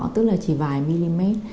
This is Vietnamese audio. tức là chỉ vài mm